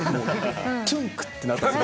キュンってなったんです。